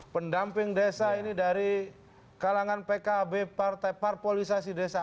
pendamping desa ini dari kalangan pkb partai parpolisasi desa